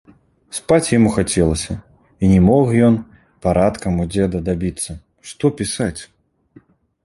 Спаць яму хацелася і не мог ён парадкам у дзеда дабіцца, што пісаць?